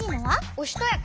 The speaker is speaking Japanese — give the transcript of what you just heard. おしとやか。